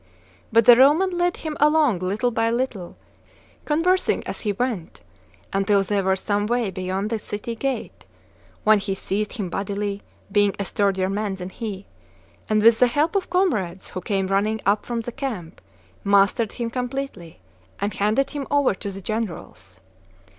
But the Roman led him along little by little, conversing as he went, until they were some way beyond the city gate, when he seized him bodily, being a sturdier man than he, and with the help of comrades who came running up from the camp, mastered him com pletely and handed him over to the generals...